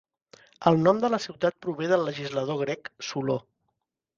El nom de la ciutat prové del legislador grec, Soló.